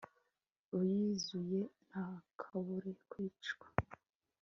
uyiziruye ntakabure kwicwa